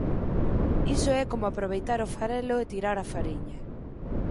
iso é como aproveitar o farelo e tirar a fariña